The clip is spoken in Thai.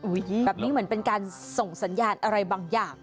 แบบนี้เหมือนเป็นการส่งสัญญาณอะไรบางอย่าง